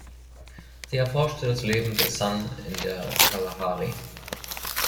Sie erforschte das Leben der San in der Kalahari.